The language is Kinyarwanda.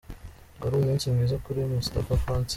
Wari umunsi mwiza kuri Moustapha Francis .